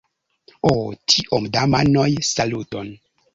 Oh tiom da manoj, saluton!